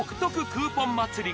クーポン祭り